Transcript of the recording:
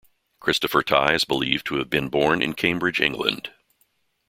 Christopher Tye is believed to have been born in Cambridge, England.